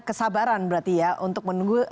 kesabaran berarti ya untuk menunggu